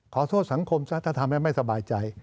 ขอโทษสังคมซะถ้าทำให้ไม่สบายใจ